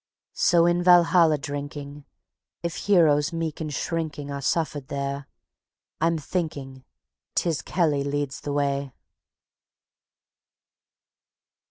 _So in Valhalla drinking (If heroes meek and shrinking Are suffered there), I'm thinking 'Tis Kelly leads the way.